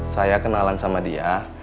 saya kenalan sama dia